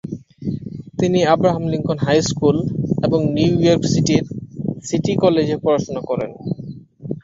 তিনি Abraham Lincoln high school এবং New York সিটির সিটি কলেজে পড়াশোনা করেন।